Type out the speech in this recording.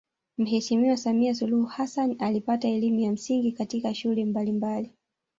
Mheshimiwa Samia Suluhu Hassan alipata elimu ya msingi katika shule mbalimbali